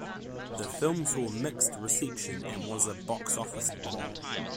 The film saw mixed reception and was a box office bomb.